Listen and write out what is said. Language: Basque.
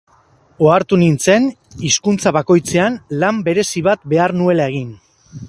Ohartu nintzen hizkuntza bakoitzean lan berezi bat behar nuela egin.